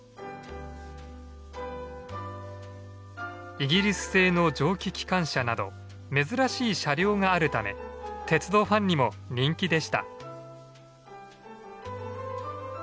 イギリス製の蒸気機関車など珍しい車両があるため鉄道ファンにも人気でした。